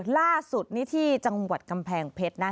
ล่าสุดนี่ที่จังหวัดกำแพงเพชรนะ